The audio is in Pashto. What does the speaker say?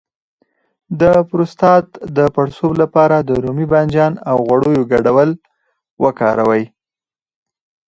د پروستات د پړسوب لپاره د رومي بانجان او غوړیو ګډول وکاروئ